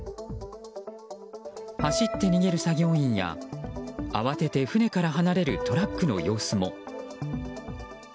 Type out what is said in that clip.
走って逃げる作業員や慌てて船から離れるトラックの様子も。